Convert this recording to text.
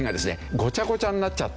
ごちゃごちゃになっちゃって。